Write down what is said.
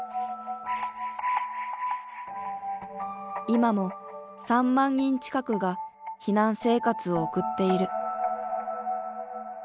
今も３万人近くが避難生活を送っている。